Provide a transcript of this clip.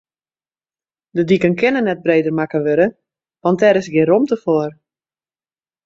De diken kinne net breder makke wurde, want dêr is gjin rûmte foar.